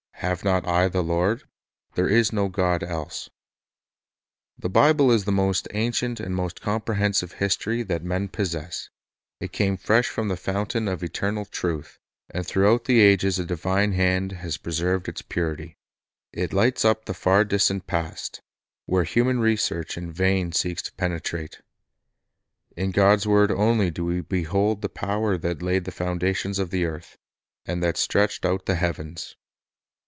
HAVE NOT I THE LORD? THERE IS NO GOD ELSE" ^I^HE Bjble is the most ancient and the most compre ■*■ hensive history that men possess. It came fresh from the fountain of eternal truth, and throughout the ages a divine hand has preserved its purity. It lights up the far distant past, where human research in vain seeks to penetrate. In God's word only do we behold the power that laid the foundations of the earth, and that stretched out the heavens.